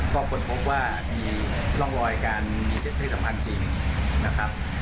ก็ค้นพบว่ามีร่องรอยการมีเพศสัมพันธ์จริงนะครับ